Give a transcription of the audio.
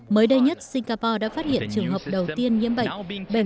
mới đây nhất singapore đã phát hiện trường hợp đầu tiên nhiễm bệnh